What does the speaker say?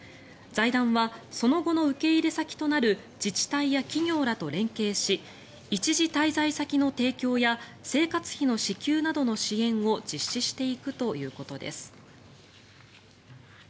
財団はその後の受け入れ先となる自治体や企業らと連携し一時滞在先の提供や生活費の支給などの支援を実施していくということです。